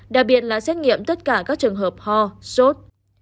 đặc biệt là xét nghiệm tất cả các trường hợp ho sốt